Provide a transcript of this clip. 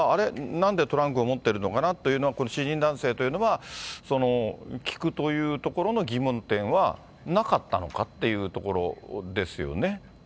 なんでトランクを持っているのかなというのは、この知人男性というのは、聞くというところの疑問点はなかったのかっていうところですよね。